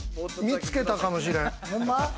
見つけたかもしれん。